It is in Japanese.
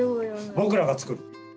僕らが作る。